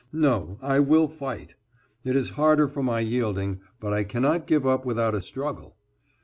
No, I will fight. It is harder for my yielding, but I cannot give up without a struggle.